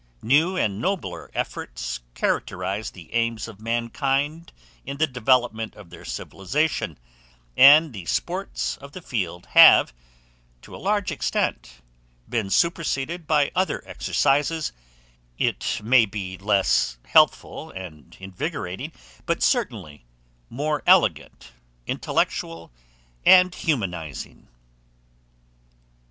New and nobler efforts characterize the aims of mankind in the development of their civilization, and the sports of the field have, to a large extent, been superseded by other exercises, it may be less healthful and invigorating, but certainly more elegant, intellectual, and humanizing.